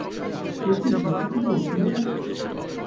Katie চৌকি থেকে উঠলই না।